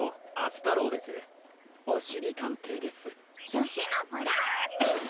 じょしゅのブラウンです。